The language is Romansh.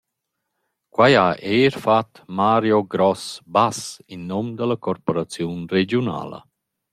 Quai ha eir fat Mario Gross-Bass in nom da la corporaziun regiunala.